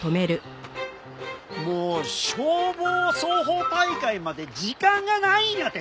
もう消防操法大会まで時間がないんやて。